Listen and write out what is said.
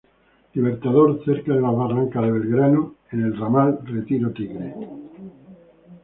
Libertador cerca de las Barrancas de Belgrano en el ramal Retiro-Tigre.